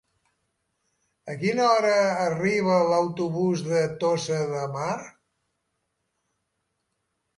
A quina hora arriba l'autobús de Tossa de Mar?